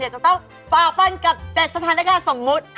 จะต้องฝากฟันกับ๗สถานการณ์สมมุติ